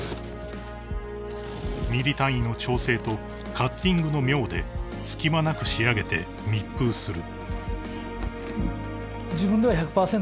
［ミリ単位の調整とカッティングの妙で隙間なく仕上げて密封する］